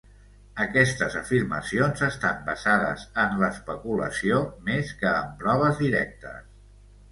Aquestes afirmacions estan basades en l'especulació més que en proves directes.